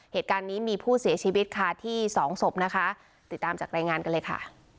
เหตุการณ์นี้มีผู้เสียชีวิตค่ะที่สองศพนะคะติดตามจากรายงานกันเลยค่ะ